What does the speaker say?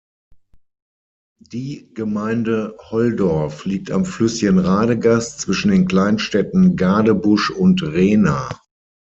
Die Gemeinde Holdorf liegt am Flüsschen Radegast zwischen den Kleinstädten Gadebusch und Rehna.